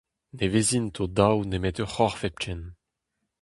Ne vezint o daou nemet ur c’horf hepken.